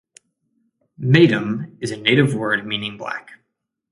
"Maitum" is a native word meaning black.